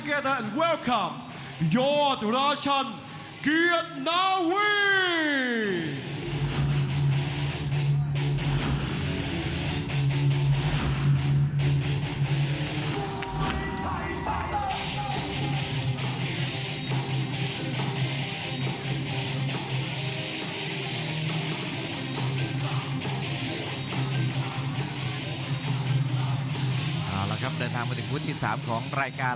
เอาละครับเดินทางมาถึงพุธที่๓ของรายการ